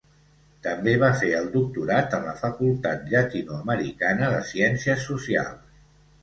També va fer el doctorat en la Facultat Llatinoamericana de Ciències Socials.